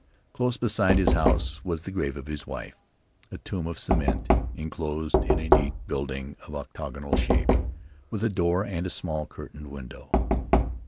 Close beside his house was the grave of his wife — a tomb of cement inclosed in a neat building of octagonal shape, with a door and a small curtained window.